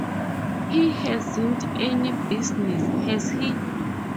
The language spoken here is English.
He hasn't any business, has he?